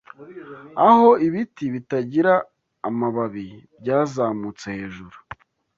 Aho ibiti bitagira amababi byazamutse hejuru,